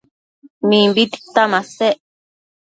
Mimbi tita masec